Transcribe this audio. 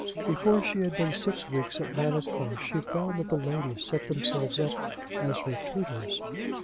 Before she had been six weeks at Manor Cross she found that the ladies set themselves up as her tutors.